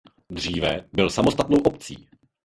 Dříve byl samostatnou obcí.